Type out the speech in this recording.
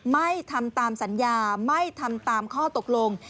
ไม่ทำตามสัญญาไม่ทำตามข้อตกลง